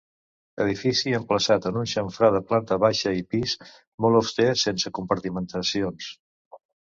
Edifici emplaçat en un xamfrà de planta baixa i pis, molt auster sense compartimentacions.